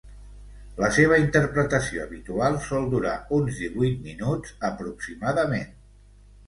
La seva interpretació habitual sol durar uns divuit minuts aproximadament.